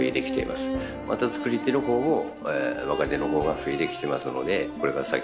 また作り手の方も若手の方が増えてきてますのでこれから先